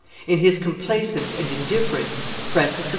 In his complaisance and indifference Francis I.